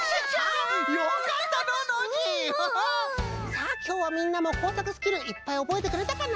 さあきょうはみんなもこうさくスキルいっぱいおぼえてくれたかな？